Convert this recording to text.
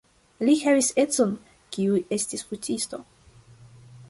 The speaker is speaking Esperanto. Li havis edzon, kiu estis fotisto.